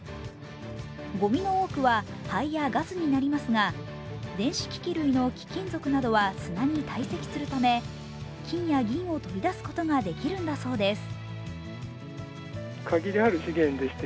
ごみの多くは灰やガスになりますが電子機器類の貴金属などは砂に堆積するため、金や銀を取り出すことができるんだそうです。